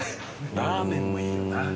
ラーメンもいいよな。